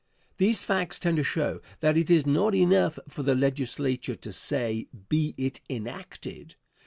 These facts tend to show that it is not enough for the Legislature to say: "Be it enacted."